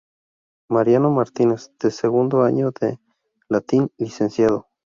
Mariano Martínez; de segundo año de Latín, Lic.